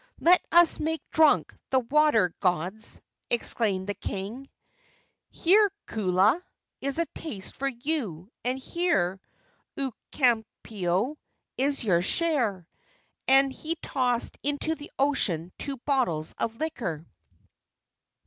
"Let us make drunk the water gods!" exclaimed the king. "Here, Kuula, is a taste for you; and here, Ukanipo, is your share!" And he tossed into the ocean two bottles of liquor.